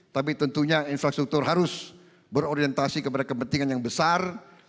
tapi tentunya infrastruktur harus berorientasi kepada kepentingan yang besar